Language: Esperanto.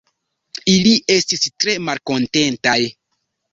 Ili estis tre malkontentaj.